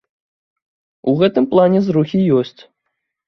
У гэтым плане зрухі ёсць.